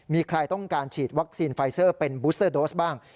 มีใครต้องการฉีดวัคซีนไฟเซอร์เป็นบูสเตอร์โดสบ้าง